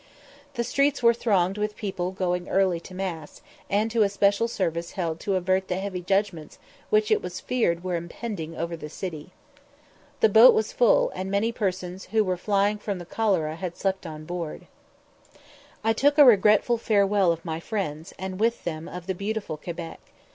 The streets were thronged with people going to early mass, and to a special service held to avert the heavy judgments which it was feared were impending over the city. The boat was full, and many persons who were flying from the cholera had slept on board. I took a regretful farewell of my friends, and with them of beautiful Quebec.